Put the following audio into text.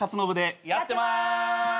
やってます。